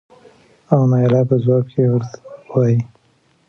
او نايله په ځواب کې ورته وايې